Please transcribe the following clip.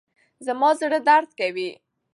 زما زړه درد کوي.